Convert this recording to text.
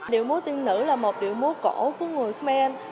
điệu múa tiên nữ là một điệu múa cổ của người khmer